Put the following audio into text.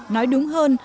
nói đúng hơn